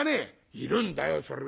「いるんだよそれが。